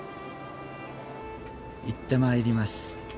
いってまいります。